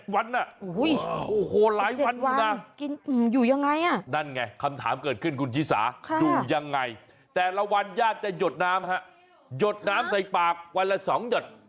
วันญาติจะหยดน้ำฮะหยดน้ำใส่ปากวันละ๒หยด